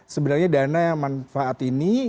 sebenarnya dana yang manfaat ini